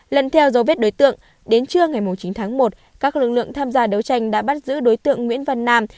lần theo dấu vết đối tượng đến trưa ngày chín tháng một các lực lượng tham gia đấu tranh đã bắt giữ đối tượng nguyễn văn nam